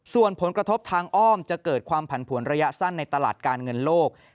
ส่วนผลกระทบทางอ้อมจะเกิดความผันผวนระยะสั้นในตลาดการเงินโลก